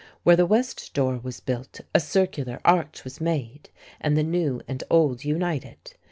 Where the west door was built a circular arch was made and the new and old united.